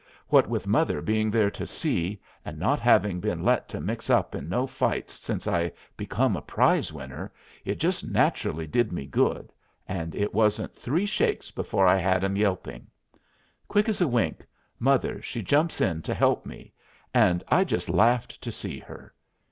What with mother being there to see, and not having been let to mix up in no fights since I become a prize winner, it just naturally did me good, and it wasn't three shakes before I had 'em yelping. Quick as a wink, mother she jumps in to help me, and I just laughed to see her.